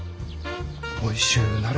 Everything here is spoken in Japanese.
おいしゅうなれ。